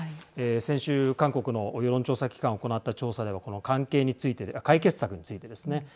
先週、韓国の世論調査機関が行った調査では解決策についてですね